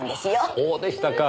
そうでしたか。